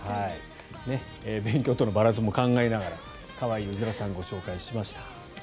勉強とのバランスも考えながら可愛いウズラさんをご紹介しました。